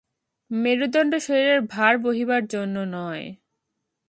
মেরুদণ্ড শরীরের ভার বহিবার জন্য নয়।